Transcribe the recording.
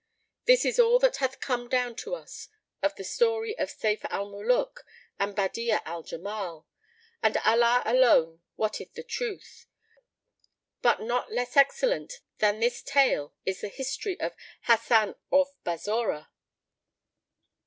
This is all that hath come down to us of the story of Sayf al Muluk and Badi'a al Jamal. And Allah alone wotteth the truth.[FN#4] But not less excellent than this tale is the History of HASAN OF BASSORAH.